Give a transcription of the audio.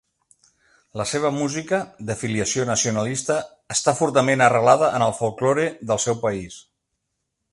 La seva música, de filiació nacionalista, està fortament arrelada en el folklore del seu país.